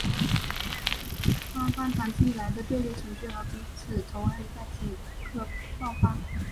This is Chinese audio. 双方长期以来的对立情绪和彼此仇恨在此刻爆发。